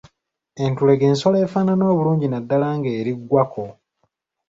Entulege nsolo efaanana obulungi naddala ng’eri ggwako.